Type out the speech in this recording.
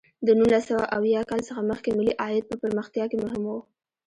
د نولس سوه اویا کال څخه مخکې ملي عاید په پرمختیا کې مهم و.